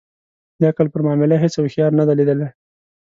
د عقل پر معامله هیڅ اوښیار نه دی لېدلی.